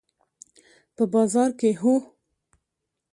په بازار کې، هو